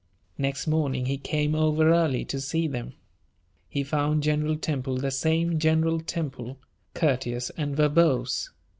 Next morning he came over early to see them. He found General Temple the same General Temple courteous and verbose.